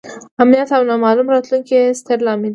امنیت او نامعلومه راتلونکې یې ستر لامل دی.